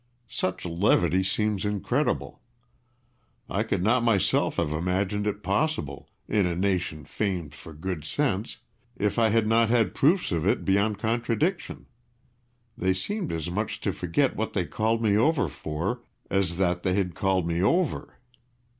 Such levity seems incredible. I could not myself have imagined it possible, in a nation famed for good sense, if I had not had proofs of it beyond contradiction. They seemed as much to forget what they called me over for as that they had called me over.